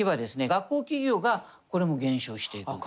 学校・企業がこれも減少していく。